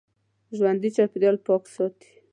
ژوندي چاپېریال پاک ساتي